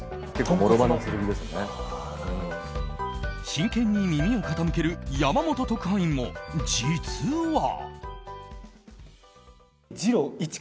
真剣に耳を傾ける山本特派員も実は。